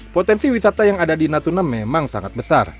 potensi wisata yang ada di natuna memang sangat besar